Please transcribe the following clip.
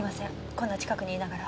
こんな近くにいながら。